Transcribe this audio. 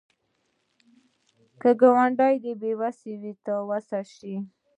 که ګاونډی بې وسه وي، ته وس شه